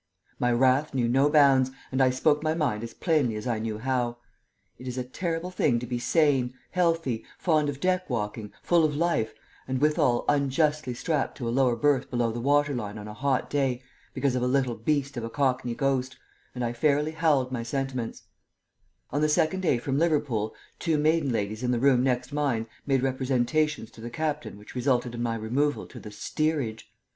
My wrath knew no bounds, and I spoke my mind as plainly as I knew how. It is a terrible thing to be sane, healthy, fond of deck walking, full of life, and withal unjustly strapped to a lower berth below the water line on a hot day because of a little beast of a cockney ghost, and I fairly howled my sentiments. [Illustration: "I WAS FORCIBLY UNCLAD"] On the second day from Liverpool two maiden ladies in the room next mine made representations to the captain which resulted in my removal to the steerage.